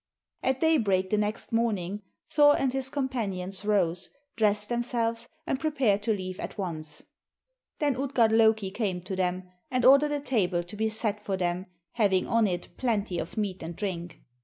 At daybreak the next morning, Thor and his companions rose, dressed themselves, and prepared to leave at once. Then Utgard Loki came to them and ordered a table to be set for them having on it plenty of meat and drink.